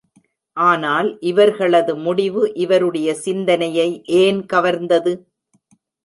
ஆனால், இவர்களது முடிவு இவருடைய சிந்தனையை ஏன் கவர்ந்தது?